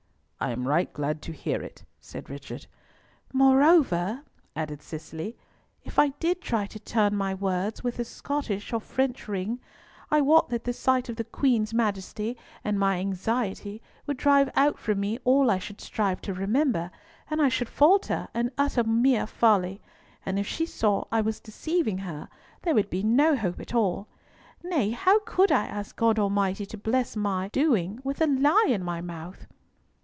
"I am right glad to hear it," said Richard. "Moreover," added Cicely, "if I did try to turn my words with the Scottish or French ring, I wot that the sight of the Queen's Majesty and my anxiety would drive out from me all I should strive to remember, and I should falter and utter mere folly; and if she saw I was deceiving her, there would be no hope at all. Nay, how could I ask God Almighty to bless my doing with a lie in my mouth?"